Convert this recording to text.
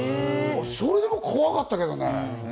それでも怖かったけどね。